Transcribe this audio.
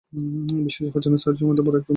বিশ্বাসই হচ্ছে না সার্জিও আমাদের বড় রুমটা দিয়েছে।